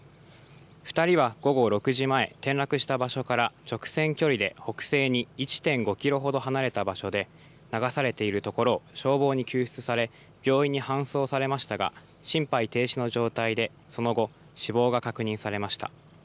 ２人は午後６時前、転落した場所から直線距離で北西に１．５キロほど離れた場所で、流されているところを消防に救出され、病院に搬送されましたが、心肺停止の状態でその後、死亡が確認されました。